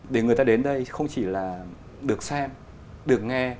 để người ta đến đây không chỉ là được xem được nghe